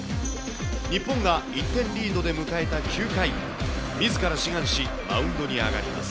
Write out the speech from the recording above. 日本が１点リードで迎えた９回、みずから志願し、マウンドに上がります。